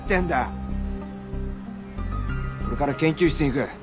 これから研究室に行く。